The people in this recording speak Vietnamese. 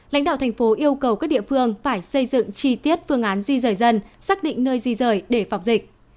lãnh đạo thành phố yêu cầu các địa phương phải xây dựng chi tiết phương án di rời dân xác định nơi di rời để phòng dịch